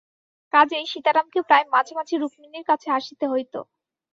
কাজেই সীতারামকে প্রায় মাঝে মাঝে রুক্মিণীর কাছে আসিতে হইত।